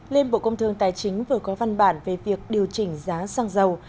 liên bộ công thương tài chính vừa có văn bản về việc điều chỉnh giá xăng dầu